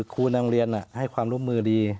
ครูในโรงเรียนให้ความร่วมมือดี